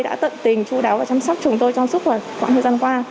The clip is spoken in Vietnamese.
đã tận tình chú đáo và chăm sóc chúng tôi trong suốt một khoảng thời gian qua